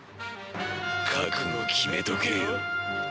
覚悟決めとけよ。